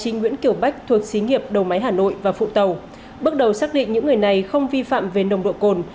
nguyễn kiểu bách thuộc xí nghiệp đầu máy hà nội và phụ tàu bước đầu xác định những người này không vi phạm về nồng độ cồn